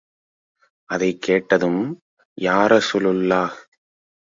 அதைக் கேட்டதும், யாரஸூலுல்லாஹ்!